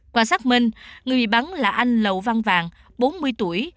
quả sát minh người bị bắn là anh lậu văn vàng bốn mươi tuổi